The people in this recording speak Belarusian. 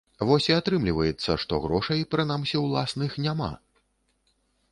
Вось і атрымліваецца, што грошай, прынамсі ўласных, няма.